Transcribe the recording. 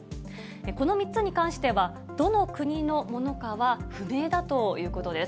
この３つに関しては、どの国のものかは不明だということです。